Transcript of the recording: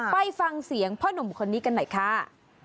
ไปฟังเสียงพ่อหนุ่มคนนี้กันหน่อยค่ะ